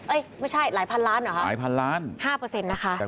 เอ้ยไม่ใช่หลายพันล้านเหรอครับ๕เปอร์เซ็นต์นะคะหลายพันล้าน